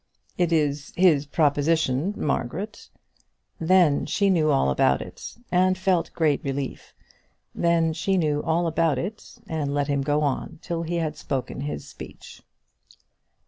"It is his proposition, Margaret." Then she knew all about it, and felt great relief. Then she knew all about it, and let him go on till he had spoken his speech.